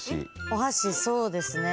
お箸そうですね。